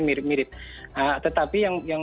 mirip mirip tetapi yang